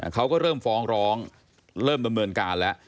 เขาก็เริ่มฟ้องร้องเริ่มดำเนินการแล้ว